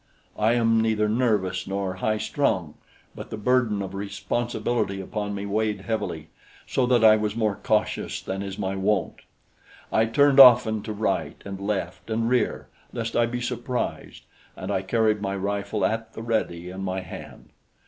I am neither nervous nor highstrung; but the burden of responsibility upon me weighed heavily, so that I was more cautious than is my wont. I turned often to right and left and rear lest I be surprised, and I carried my rifle at the ready in my hand.